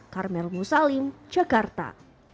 karmel musalim jakarta